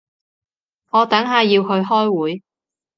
我等下要去開會